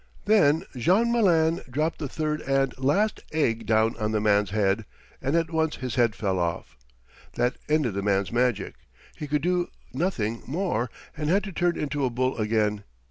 Then Jean Malin dropped the third and last egg down on the man's head, and at once his head fell off. That ended the man's magic; he could do nothing more, and had to turn into a bull again.